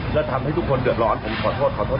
และทำให้ทุกคนเดือดร้อนผมขอโทษขอโทษ